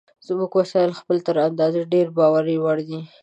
زموږ وسایل خپل تر اندازې ډېر بار وړي.